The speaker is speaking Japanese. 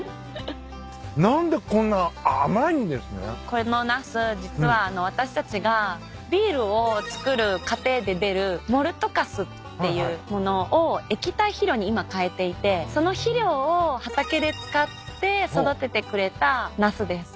このナス実は私たちがビールを造る過程で出るモルトかすっていう物を液体肥料に今変えていてその肥料を畑で使って育ててくれたナスです。